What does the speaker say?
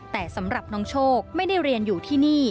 แต่สำหรับน้องโชคไม่ได้เรียนอยู่ที่นี่